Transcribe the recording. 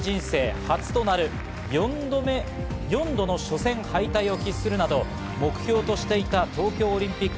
ただ競技人生初となる４度の初戦敗退を喫するなど、目標としていた東京オリンピック。